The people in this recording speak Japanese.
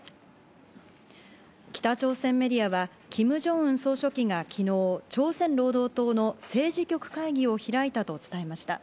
北朝鮮メディアはキム・ジョンウン総書記が昨日、朝鮮労働党の政治局会議を開いたと伝えました。